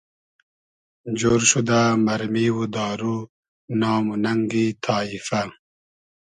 جۉر شودۂ مئرمی و دارو نام و نئنگی تایفۂ